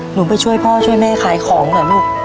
หนูไปช่วยพ่อช่วยแม่ขายของเหรอลูก